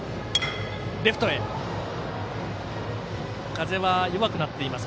風は弱くなっています